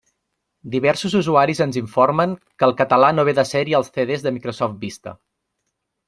Diversos usuaris ens informen que el català no ve de sèrie als CD de Microsoft Vista.